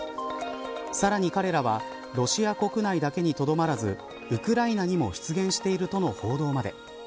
さらに、彼らはロシア国内だけにとどまらずウクライナにも出現しているとの報道まで。